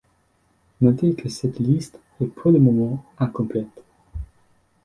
Notez que cette liste est pour le moment incomplète.